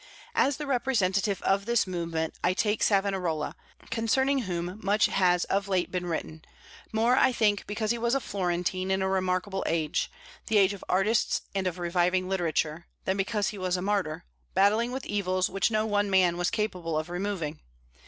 As the representative of this movement I take Savonarola, concerning whom much has of late been written; more, I think, because he was a Florentine in a remarkable age, the age of artists and of reviving literature, than because he was a martyr, battling with evils which no one man was capable of removing.